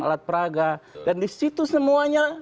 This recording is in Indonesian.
alat peraga dan di situ semuanya